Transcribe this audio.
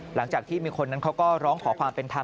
หลังจากที่มีคนนั้นเขาก็ร้องขอความเป็นธรรม